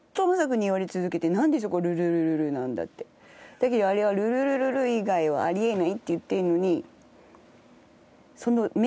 「だけどあれは“ルルルルル”以外はあり得ない」って言ってるのに。